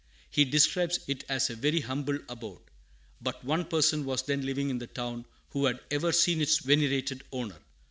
He describes it as a very "humble abode." But one person was then living in the town who had ever seen its venerated owner.